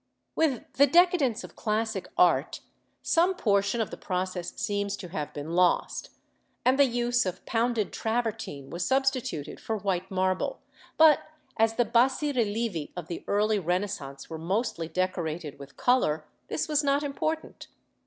With the decadence of classic art some portion of the process seems to have been lost, and the use of pounded travertine was substituted for white marble; but, as the bassi relievi of the early Renaissance were mostly decorated with colour, this was not important.